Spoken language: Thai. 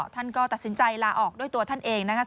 ท่านก็ตัดสินใจลาออกด้วยตัวท่านเองนะคะ